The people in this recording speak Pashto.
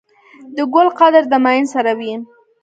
د ګل قدر د ميئن سره وي.